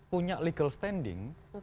punya legal standing